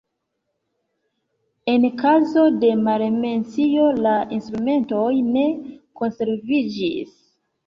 En kazo de malmencio la instrumentoj ne konserviĝis.